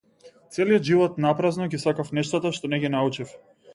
Целиот живот напразно ги сакав нештата што не ги научив.